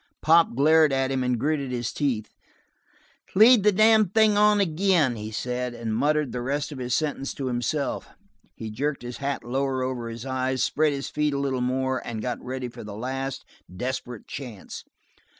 Pop glared at him and gritted his teeth. "Lead the damn thing on ag'in," he said, and muttered the rest of his sentence to himself. He jerked his hat lower over his eyes, spread his feet a little more, and got ready for the last desperate chance.